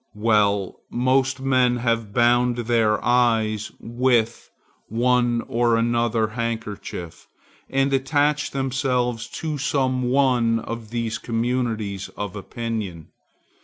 Well, most men have bound their eyes with one or another handkerchief, and attached themselves to some one of these communities of opinion.